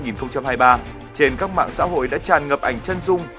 từ giữa tháng tám năm hai nghìn hai mươi ba trên các mạng xã hội đã tràn ngập ảnh chân dung